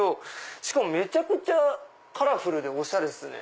しかもめちゃくちゃカラフルでおしゃれっすね。